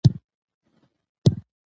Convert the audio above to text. موږ باید خپل چاپېریال تل پاک او خوندي وساتو